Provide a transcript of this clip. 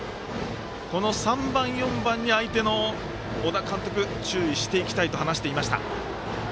３番、４番に相手の小田監督注意していきたいと話していました。